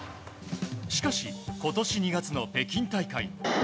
しかし、今年２月の北京大会。